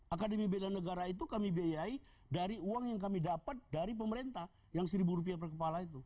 akademi bela negara itu kami biayai dari uang yang kami dapat dari pemerintah yang seribu rupiah per kepala itu